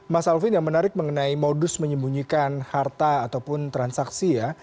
mas alvin yang menarik mengenai modus menyembunyikan harta ataupun transaksi ya